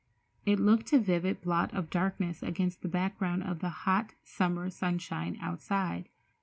It looked a vivid blot of darkness against the background of the hot summer sunshine outside.